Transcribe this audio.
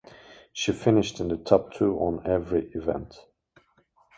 She finished in the top two on every event.